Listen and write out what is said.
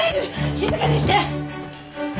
静かにして！